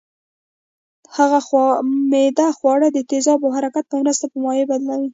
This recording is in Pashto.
معده خواړه د تیزابو او حرکت په مرسته په مایع بدلوي